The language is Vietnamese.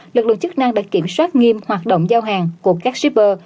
lực lượng chức năng đã kiểm soát nghiêm hoạt động giao hàng của các shipper